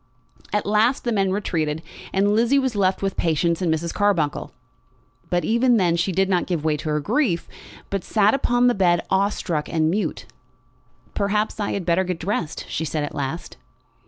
At last the men retreated, and Lizzie was left with Patience and Mrs. Carbuncle. But even then she did not give way to her grief, but sat upon the bed awe struck and mute. "Perhaps I had better get dressed," she said at last.